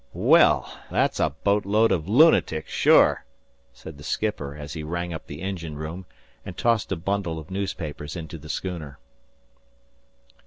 "Well, that's a boat load of lunatics, sure," said the skipper, as he rang up the engine room and tossed a bundle of newspapers into the schooner.